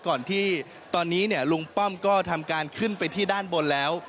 ก่อนที่ตอนนี้ลุงป้อมก็ทำการขึ้นไปที่ด้านบนแล้ว